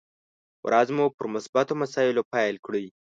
ورځ مو پر مثبتو مسايلو پيل کړئ!